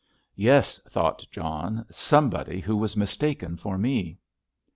"Yes," thought John, "somebody who was mistaken for me."